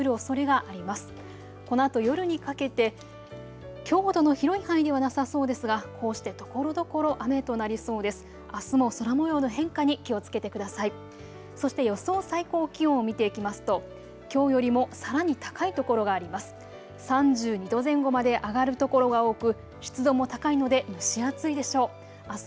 最高気温を見ていきますと、きょうよりもさらに高い所があります。